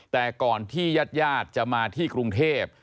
แต่ก่อนที่ญาติจะมาที่กรุงเทพ